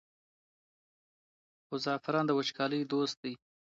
خو زعفران د وچکالۍ دوست دی.